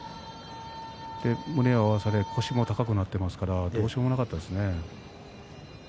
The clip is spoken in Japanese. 胸を合わされ腰も高くなっていますからどうしようもなかったですね。